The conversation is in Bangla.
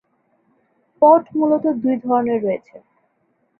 পট মূলত দুই ধরনের রয়েছে।